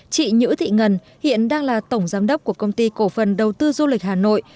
chị nhữ thị ngân hiện đang là tổng giám đốc của công ty cổ phần đầu tư du lịch hà nội